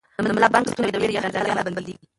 د ملا بانګ ستونی د وېرې یا حیرانتیا له امله بندېږي.